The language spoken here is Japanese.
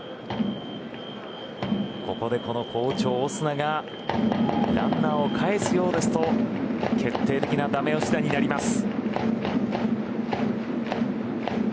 ここでこの、好調、オスナがランナーをかえすようですと決定的なダメ押し打になります。